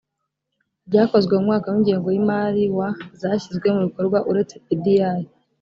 ryakozwe mu mwaka w ingengo y imari wa zashyizwe mu bikorwa uretse pdi